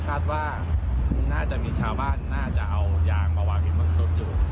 คาดว่าน่าจะมีชาวบ้านน่าจะเอายางมาวางหินบางส่วนอยู่